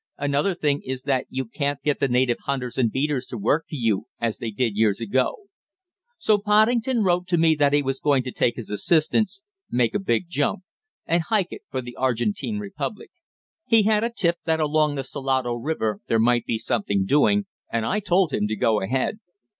Another thing is that you can't get the native hunters and beaters to work for you as they did years ago." "So Poddington wrote to me that he was going to take his assistants, make a big jump, and hike it for the Argentine Republic. He had a tip that along the Salado river there might be something doing, and I told him to go ahead."